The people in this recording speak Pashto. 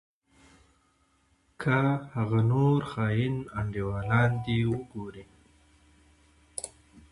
که هغه نور خاين انډيوالان دې وګورې.